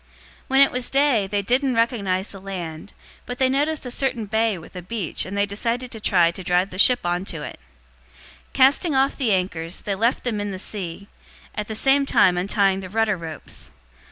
027:039 When it was day, they didn't recognize the land, but they noticed a certain bay with a beach, and they decided to try to drive the ship onto it. 027:040 Casting off the anchors, they left them in the sea, at the same time untying the rudder ropes.